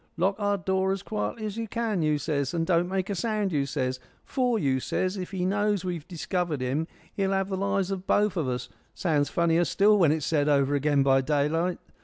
'Lock our door as quietly as you can,' you says, 'and don't make a sound,' you says, 'for,' you says, 'if he knows we've discovered him he'll have the lives of both of us.' Sounds funnier still when it's said over again by daylight.